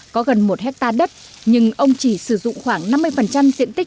có gần một hectare đất nhưng ông chỉ sử dụng khoảng năm mươi diện tích